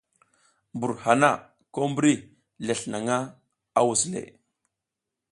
Mbur hana ko mbri lesl naƞ a wus le.